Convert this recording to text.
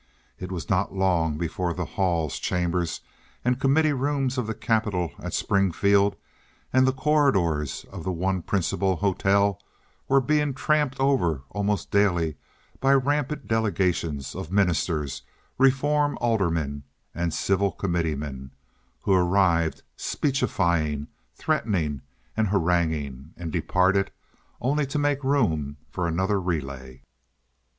It was not long before the halls, chambers, and committee rooms of the capitol at Springfield and the corridors of the one principal hotel were being tramped over almost daily by rampant delegations of ministers, reform aldermen, and civil committeemen, who arrived speechifying, threatening, and haranguing, and departed, only to make room for another relay.